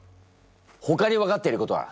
ほかに分かっていることは？